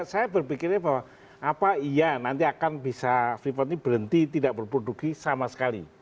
saya berpikirnya bahwa apa iya nanti akan bisa freeport ini berhenti tidak berproduksi sama sekali